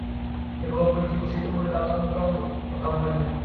Kedua politikus itu bertatap muka untuk pertama kalinya.